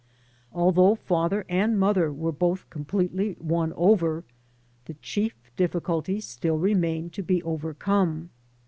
Although father and mother were both com pletely won over, the chief difficulty still remained to be overcome.